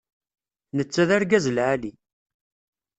Netta d argaz lɛali.